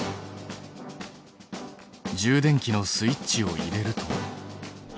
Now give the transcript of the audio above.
充電器のスイッチを入れると。